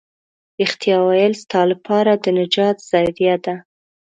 رښتيا ويل ستا لپاره د نجات ذريعه ده.